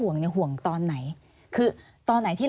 อันดับ๖๓๕จัดใช้วิจิตร